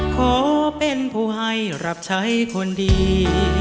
ขอเป็นผู้ให้รับใช้คนดี